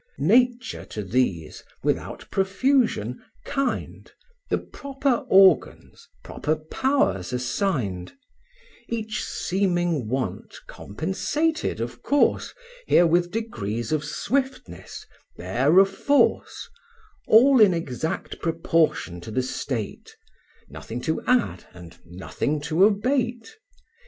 Nature to these, without profusion, kind, The proper organs, proper powers assigned; Each seeming want compensated of course, Here with degrees of swiftness, there of force; All in exact proportion to the state; Nothing to add, and nothing to abate.